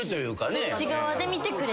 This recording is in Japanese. そっち側で見てくれてます。